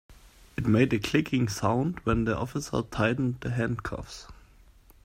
It made a clicking sound when the officer tightened the handcuffs.